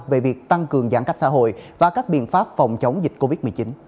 về việc tăng cường giãn cách xã hội và các biện pháp phòng chống dịch covid một mươi chín